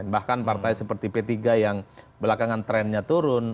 bahkan partai seperti p tiga yang belakangan trennya turun